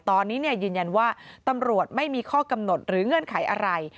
ตอนนี้ยืนยันว่าตำรวจไม่มีข้อกำหนดหรือเงื่อนไขอะไร